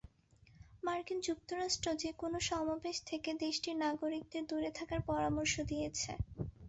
মার্কিন যুক্তরাষ্ট্র যেকোনো সমাবেশ থেকে দেশটির নাগরিকদের দূরে থাকার পরামর্শ দিয়েছে।